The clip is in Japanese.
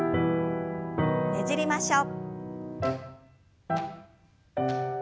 ねじりましょう。